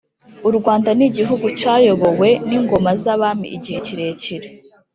U Rwanda ni gihugu cyayobowe n’ingoma z’abami igihe kirekire,